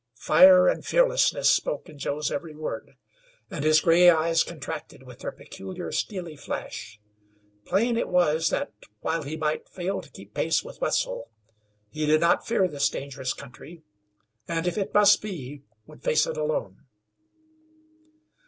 Fire and fearlessness spoke in Joe's every word, and his gray eyes contracted with their peculiar steely flash. Plain it was that, while he might fail to keep pace with Wetzel, he did not fear this dangerous country, and, if it must be, would face it alone.